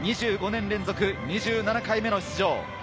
２５年連続２７回目の出場。